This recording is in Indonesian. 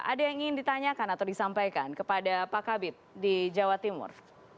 ada yang ingin ditanyakan atau disampaikan kepada pak kabit di jawa timur